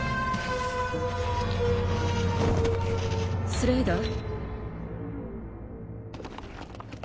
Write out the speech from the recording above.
スレイダー？